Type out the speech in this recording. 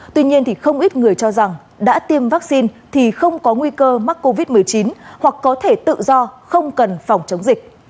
tuy nhiên thì không ít người cho rằng đã tiêm vaccine thì không có nguy cơ mắc covid một mươi chín hoặc có thể tự do không cần phòng chống dịch